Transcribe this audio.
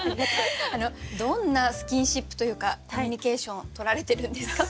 どんなスキンシップというかコミュニケーションとられてるんですか？